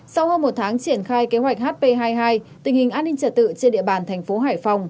sau hơn một tháng triển khai kế hoạch hp hai mươi hai tình hình an ninh trật tự trên địa bàn thành phố hải phòng